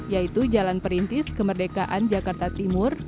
yaitu jalan perintis kemerdekaan jakarta timur